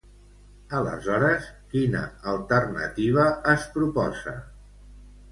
Aleshores quina alternativa es proposa?